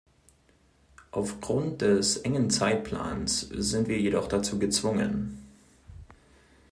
Auf Grund des engen Zeitplans sind wir jedoch dazu gezwungen.